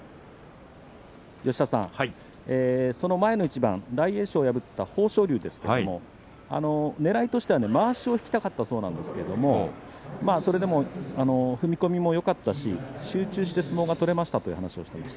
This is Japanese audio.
その前の一番大栄翔を破った豊昇龍ですけどねらいとすればまわしを引きたかったそうですがそれでも踏み込みもよかったし集中して相撲が取れました